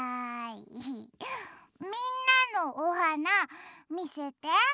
みんなのおはなみせて！